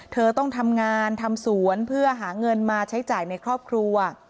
เธอต้องทำงานทำสวนเพื่อหาเงินมาใช้จ่ายในครอบครัว